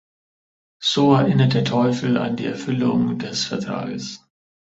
So erinnert der Teufel an die Erfüllung des Vertrages.